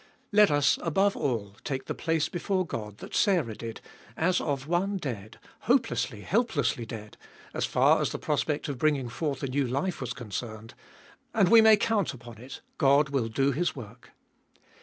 Let us, above all, take the place before God that Sarah did as of one dead, hopelessly, helplessly dead, as far as the prospect of bring ing forth a new life was concerned, and we may count upon it, God will do His work.